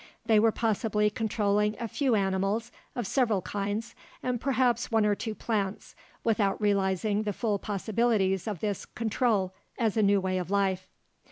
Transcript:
They were possibly controlling a few animals of several kinds and perhaps one or two plants, without realizing the full possibilities of this "control" as a new way of life.